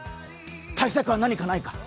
対策は何かないか！